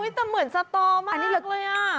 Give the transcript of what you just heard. อุ้ยแต่เหมือนสตอมากเลยอ่ะ